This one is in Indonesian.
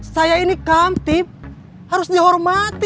saya ini kamtip harus dihormati